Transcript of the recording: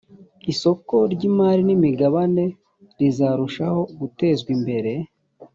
isoko ry imari n imigabane rizarushaho gutezwa imbere